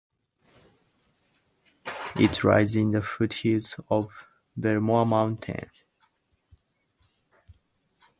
It lies in the foothills of Belmore Mountain.